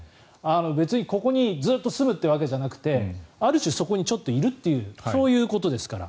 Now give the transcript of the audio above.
別にここにずっと住むってわけじゃなくてある種そこにちょっといるというそういうことですから。